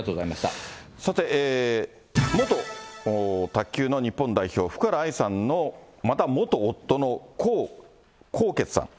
さて、元卓球の日本代表、福原愛さんのまた元夫の江宏傑さん。